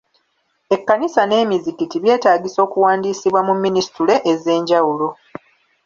Ekkanisa n'emizikiti byetaagisa okuwandiisibwa mu minisitule ez'enjawulo.